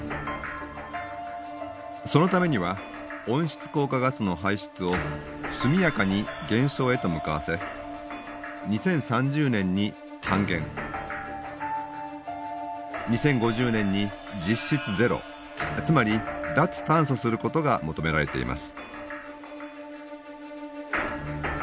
そのためには温室効果ガスの排出を速やかに減少へと向かわせ２０３０年に半減２０５０年に実質ゼロつまり脱炭素することが求められています。